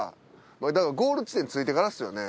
だからゴール地点着いてからですよね。